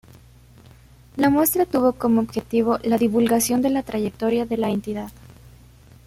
La muestra tuvo como objetivo la divulgación de la trayectoria de la entidad.